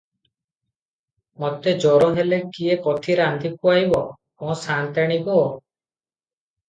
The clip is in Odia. ମୋତେ ଜର ହେଲେ କିଏ ପଥି ରାନ୍ଧି ଖୁଆଇବ, ମୋ ସାଆନ୍ତାଣି ଗୋ!